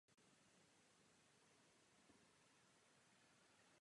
Některé pak vyšly knižně.